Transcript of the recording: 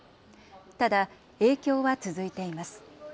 ただ影響は続いています。